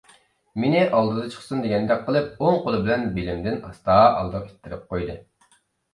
مېنى ئالدىدا چىقسۇن دېگەندەك قىلىپ ئوڭ قولى بىلەن بېلىمدىن ئاستا ئالدىغا ئىتتىرىپ قويدى.